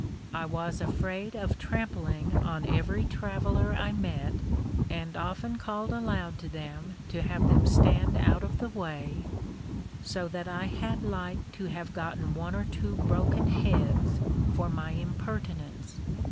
I was afraid of trampling on every traveller I met, and often called aloud to them to have them stand out of the way, so that I had like to have gotten one or two broken heads for my impertinence.